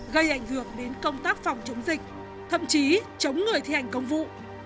gây ảnh hưởng đến công tác phòng chống dịch thậm chí chống người thi hành công vụ